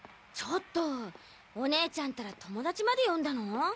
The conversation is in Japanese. ちょっとお姉ちゃんたら友達まで呼んだの？